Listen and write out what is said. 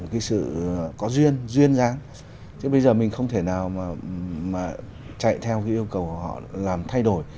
mà có duyên duyên dáng chứ bây giờ mình không thể nào mà chạy theo cái yêu cầu của họ làm thay đổi